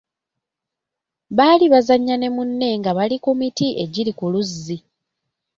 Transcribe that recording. Baali bazannya ne munne nga bali ku miti egiri ku luzzi.